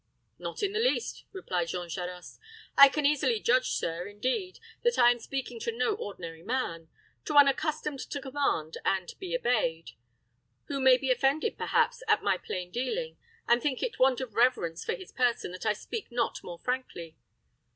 "Not in the least," replied Jean Charost. "I can easily judge, sir, indeed, that I am speaking to no ordinary man to one accustomed to command and be obeyed; who may be offended, perhaps, at my plain dealing, and think it want of reverence for his person that I speak not more frankly.